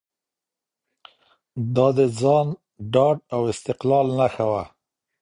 دا د ځان ډاډ او استقلال نښه وه.